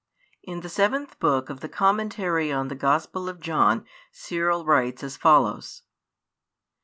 IN THE SEVENTH BOOK OF THE COMMENTARY ON THE GOSPEL OF JOHN, CYRIL [WRITES] AS FOLLOWS.